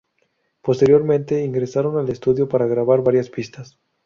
Posteriormente, ingresaron al estudio para grabar varias pistas.